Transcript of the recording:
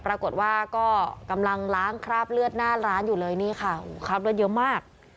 ปรากฏว่าก็กำลังล้างคราบเลือดหน้าร้านอยู่เลยนี่ค่ะคราบเลือดเยอะมาก